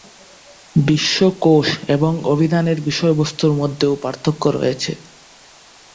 বিশ্বকোষ এবং অভিধানের বিষয়বস্তুর মধ্যেও পার্থক্য রয়েছে।